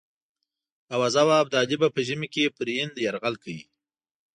آوازه وه ابدالي به په ژمي کې پر هند یرغل کوي.